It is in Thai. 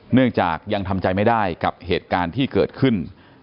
เนื่องจากยังทำใจไม่ได้กับเหตุการณ์ที่เกิดขึ้น